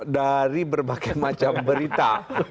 dari berbagai macam berita